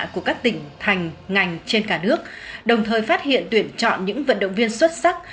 của các tỉnh thành ngành trên cả nước đồng thời phát hiện tuyển chọn những vận động viên xuất sắc